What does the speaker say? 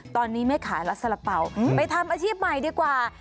ตอนนี้ไม่ขายรัสสาระเป๋าไปทำอาชีพใหม่ดีกว่า